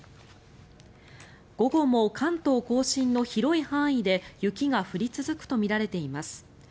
午後も関東・甲信の広い範囲で雪が降り続くとみられています。